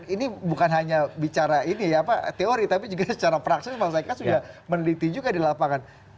ini bukan hanya bicara ini ya apa teori tapi juga secara prakses mas eka sudah meneliti juga di lapangan